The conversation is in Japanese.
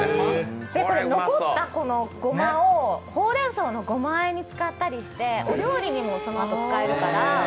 残ったごまをほうれんそうのごま和えに使ったりしてお料理にもそのあと使えるから。